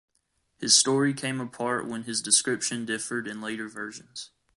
His story came apart when his description differed in later versions.